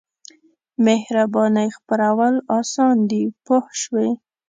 مهربانۍ خپرول اسان دي پوه شوې!.